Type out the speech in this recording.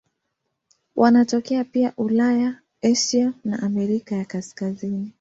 Wanatokea pia Ulaya, Asia na Amerika ya Kaskazini.